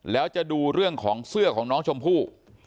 แล้วจะดูเรื่องของเสื้อของน้องชมพู่